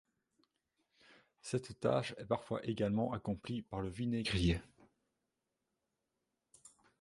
Cette tâche et parfois également accomplie par le vinaigrier.